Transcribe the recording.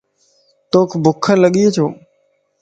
توک ڀک لڳي ڇو؟